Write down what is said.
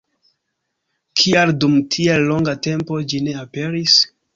Kial dum tiel longa tempo ĝi ne aperis?